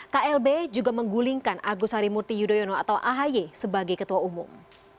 klb juga menggulingkan agus harimurti yudhoyono atau ahy sebagai ketua umum